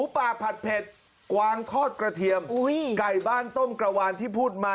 ป่าผัดเผ็ดกวางทอดกระเทียมไก่บ้านต้มกระวานที่พูดมา